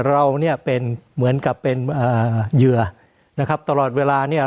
เราเนี่ยเป็นเหมือนกับเป็นเหยื่อนะครับตลอดเวลาเนี่ย